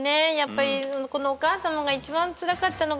このお母さまが一番つらかったのが。